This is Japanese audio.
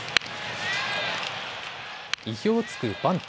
意表を突くバント。